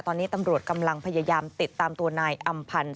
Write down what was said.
ตอนนี้ตำรวจกำลังพยายามติดตามตัวนายอำพันธ์